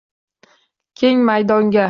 Keng maydonga